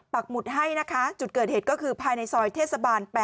หมุดให้นะคะจุดเกิดเหตุก็คือภายในซอยเทศบาล๘